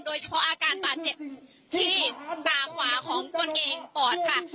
โดยเฉพาะอาการบาดเจ็บที่ตาขวาของตนเองปอดค่ะ